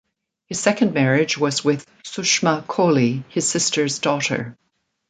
His second marriage was with Sushma Kohli, his sister's daughter.